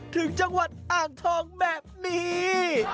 ถึงจังหวัดอ่างทองแบบนี้